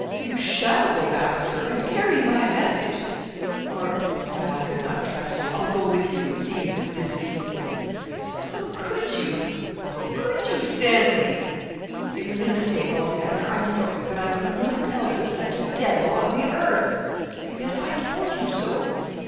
'You shall go back, Sir, and carry my message; or, no, I could not trust you. I'll go with you and see him, and disabuse him. How could you how could you, Stanley?' 'It was a mistake, altogether; I'm sorry, but I could not tell there was such a devil on the earth.' 'Yes, I told you so.